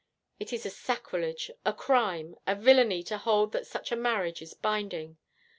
It is a sacrilege, a crime, a villany to hold that such a marriage is binding.